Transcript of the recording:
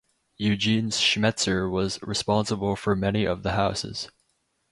Eugene Schmetzer was responsible for many of the houses.